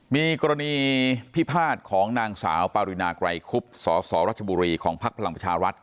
มีกรณีพิพาทของนางสาวปารินาไกรคุบสสรัชบุรีของพักพลังประชารัฐ